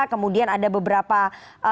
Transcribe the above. kemudian ada beberapa narapidana korupsi yang lain